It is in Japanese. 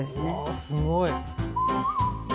あすごい。